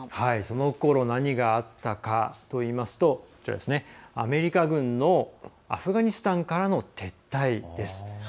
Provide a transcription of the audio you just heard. そのころ何があったかといいますとアメリカ軍のアフガニスタンからの撤退です。